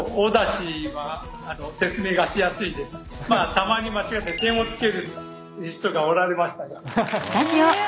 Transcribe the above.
たまに間違えて点をつける人がおられましたが。